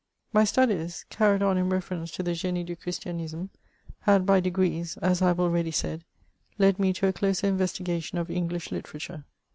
My studies, carried on in reference to the G^me du Chris tianisme^ had by degrees (as I have already said) led me to a closer investigation of English literature.